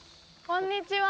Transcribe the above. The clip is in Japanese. こんにちは。